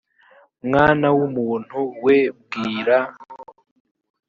mwana w umuntu we bwira